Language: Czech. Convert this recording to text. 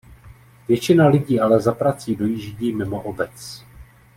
Většina lidí ale za prací dojíždí mimo obec.